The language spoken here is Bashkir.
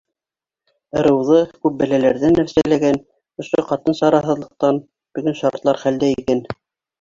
Ырыуҙы күп бәләләрҙән әрсәләгән ошо ҡатын сараһыҙлыҡтан бөгөн шартлар хәлдә икән.